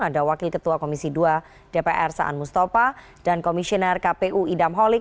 ada wakil ketua komisi dua dpr saan mustafa dan komisioner kpu idam holik